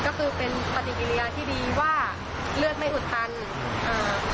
ก็คือเป็นปฏิกิริยาที่ดีว่าเลือดไม่อุดตันอ่า